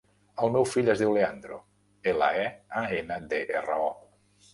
El meu fill es diu Leandro: ela, e, a, ena, de, erra, o.